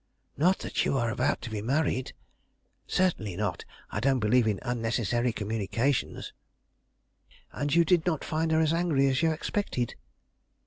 "Not that you were about to be married?" "Certainly not. I don't believe in unnecessary communications." "And you did not find her as angry as you expected?"